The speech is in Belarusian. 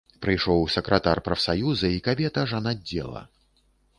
Прыйшоў сакратар прафсаюза і кабета жанаддзела.